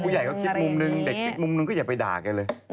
ผู้ใหญ่ก็คิดคลิปมุมหนึ่งเด็กมุมหนึ่งก็อย่าไปด่ากันเลย